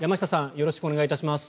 よろしくお願いします。